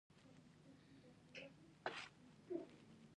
د انګلیسي ژبې زده کړه مهمه ده ځکه چې ستونزې حل کوي.